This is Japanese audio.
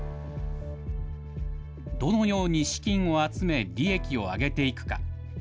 どのように資金を集め、利益を上げていくか。